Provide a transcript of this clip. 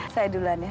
saya duluan ya